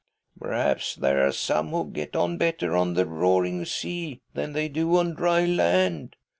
" Perhaps there are some who get on better on the roaring seas than they do on dry land," she